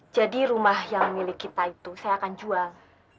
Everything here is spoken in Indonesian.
jadi rumah yang milik kita itu saya akan jual